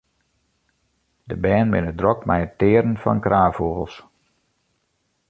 De bern binne drok mei it tearen fan kraanfûgels.